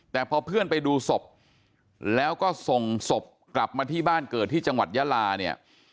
แต่พอเพื่อนไปดูศพแล้วก็ส่งศพกลับมาที่บ้านเกิดที่จังหวัดยาลาเนี่ย